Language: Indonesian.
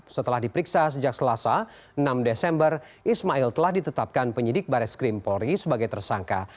setelah diperiksa sejak selasa enam desember ismail telah ditetapkan penyidik baris krim polri sebagai tersangka